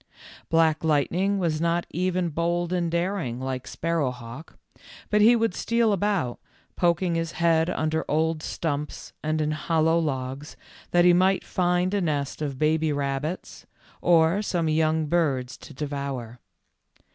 Black Lightning was not even bold and dar ing like Sparrowhawk, but he would steal about, poking his head under old stumps and in hollow logs, that he might find a nest of baby rabbits, or some young birds to devour.